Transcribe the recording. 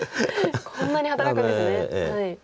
こんなに働くんですね。